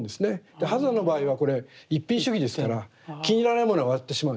波山の場合はこれ一品主義ですから気に入らないものは割ってしまうんです。